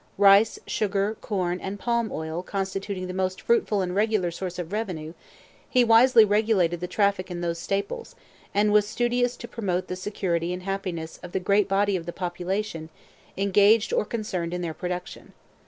Rice, sugar, corn, and palm oil constituting the most fruitful and regular source of revenue, he wisely regulated the traffic in those staples, and was studious to promote the security and happiness of the great body of the population engaged or concerned in their production.